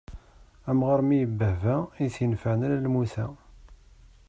Amɣar mi ibbehba, i t-inefɛen ala lmuta.